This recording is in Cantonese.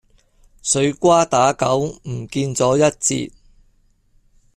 水瓜打狗唔見咗一截